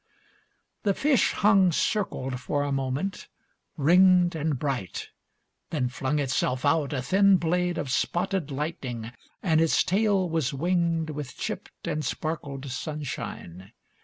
VIII The fish hung circled for a moment, ringed And bright; then flung itself out, a thin blade Of spotted lightning, and its tail was winged With chipped and sparkled sunshine.